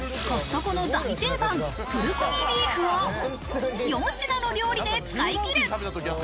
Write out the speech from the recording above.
コストコの大定番プルコギビーフを４品の料理で使い切る。